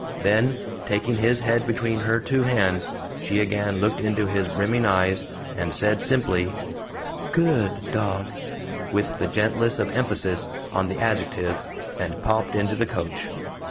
Then, taking his head between her two hands, she again looked into his brimming eyes, and said, simply, "GOOD dog," with the gentlest of emphasis on the adjective, and popped into the coach.